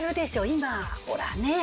今ほらねえ。